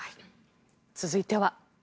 続いては。